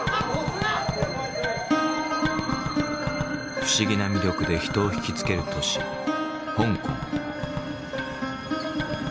不思議な魅力で人を引き付ける都市香港。